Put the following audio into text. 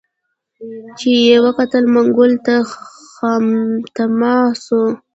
چي یې وکتل منګول ته خامتما سو